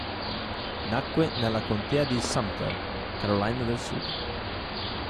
Nacque nella Contea di Sumter, Carolina del Sud.